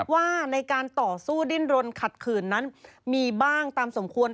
ว่าในการต่อสู้ดิ้นรนขัดขืนนั้นมีบ้างตามสมควร